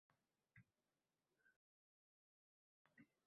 Inson dunyoga farishtadek boʻlib keladi.